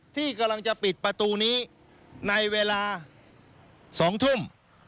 ที่กำลังจะปิดประตูนี้ในเวลา๒ทุ่ม